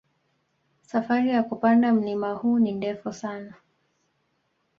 Safari ya kupanda mlima huu ni ndefu sana